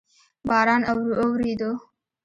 باران اوورېدو؟